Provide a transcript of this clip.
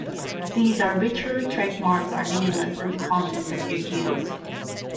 These arbitrary trademarks are meaningless in the context of their use.